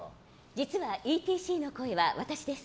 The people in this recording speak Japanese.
実はＥＴＣの声は私です。